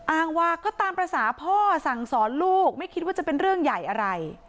อ้างว่าก็ตามภาษาพ่อสั่งสอนลูกไม่คิดว่าจะเป็นเรื่องใหญ่อะไร